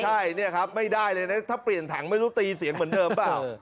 ใช่เนี่ยครับไม่ได้เลยนะถ้าเปลี่ยนถังไม่รู้ตีเสียงเหมือนเดิมเปล่า